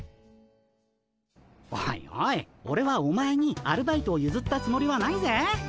おいおいオレはお前にアルバイトをゆずったつもりはないぜ。